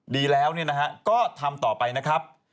ดีแล้วก็ทำต่อไปนะครับ